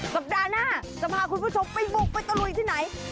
สัปดาห์หน้าจะพาคุณผู้ชมไปบุกไปตะลุยที่ไหน